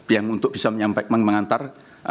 yang untuk bisa mengantar